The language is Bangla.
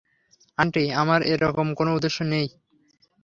আন্টি, আমার এরকম কোন উদ্দেশ্য নেই।